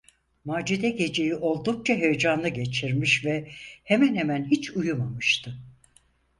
Macide geceyi oldukça heyecanlı geçirmiş ve hemen hemen hiç uyumamıştı.